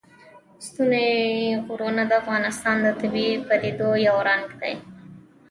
ستوني غرونه د افغانستان د طبیعي پدیدو یو رنګ دی.